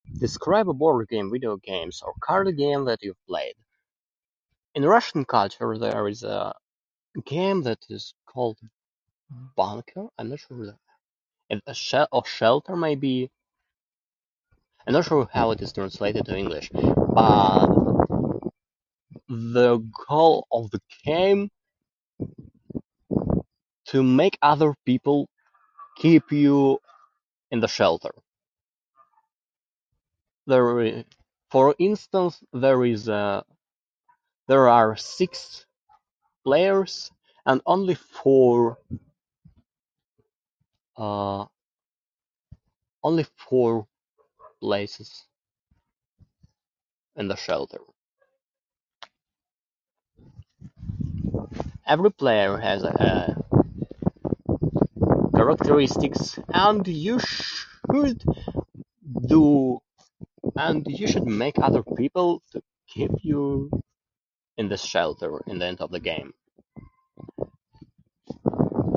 "Describe a board game, video games, or card game that you've played. In Russian culture, there is a game that is called ""Bunker"". I'm not sure that... I'm not... shelt- oh, ""Shelter"", maybe? I'm not sure how it is translated to English. But the goal of the game: to make other people keep you in the shelter. There, for instance, there is, uh, there are six players and only four, uh, only four places in the shelter. Every player has, uh, characteristics and you should do... and you should make other people to keep you in the shelter in the end of the game."